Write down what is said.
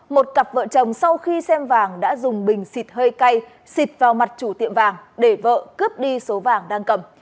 một cặp vợ chồng sau khi xem vàng đã dùng bình xịt hơi cay xịt vào mặt chủ tiệm vàng để vợ cướp đi số vàng đang cầm